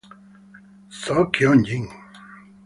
So Kyong-jin